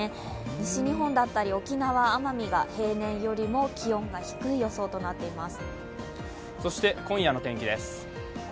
西日本だったり沖縄、奄美が平年より気温が低い予想となっています。